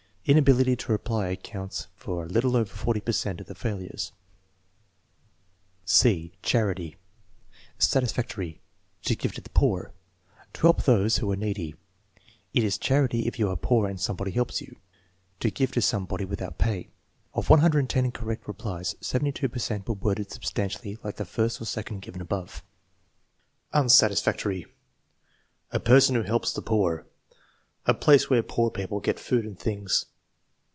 Inability to reply accounts for a little over 40 per cent of the failures. TEST NO. XH, 2 283 (c) Charity Satisfactory. "To give to the poor." "To help those who are needy." "It is charity if you are poor and somebody helps you." "To give to somebody without pay." Of 110 correct replies, 72 per cent were worded substantially like the first or second given above. Unsatisfactory. "A person who helps the poor." "A place where poor people get food and things."